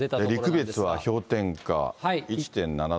陸別は氷点下１．７度。